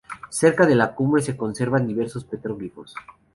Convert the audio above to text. Cerca de la cumbre se conservan diversos petroglifos.